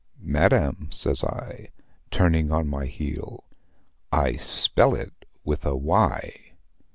'Madam,' says I, turning on my heel, 'I spell it with a Y.'